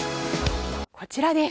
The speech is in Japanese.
こちらです。